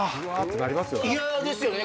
嫌ですよね